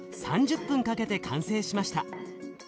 ３０分かけて完成しました。